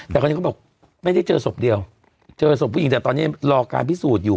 แต่คราวนี้เขาบอกไม่ได้เจอศพเดียวเจอศพผู้หญิงแต่ตอนนี้รอการพิสูจน์อยู่